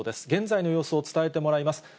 現在の様子を伝えてもらいます。